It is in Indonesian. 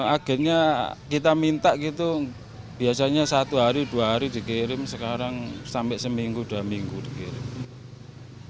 agennya kita minta gitu biasanya satu hari dua hari dikirim sekarang sampai seminggu dua minggu dikirim